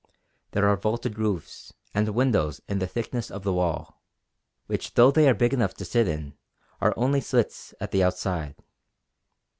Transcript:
There are vaulted roofs; and windows in the thickness of the wall, which though they are big enough to sit in, are only slits at the outside.